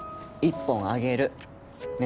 １本あげる。